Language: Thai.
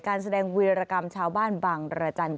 การแสดงวีรกรรมชาวบ้านบางรจันทร์